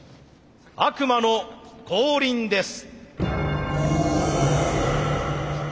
悪魔の降臨です。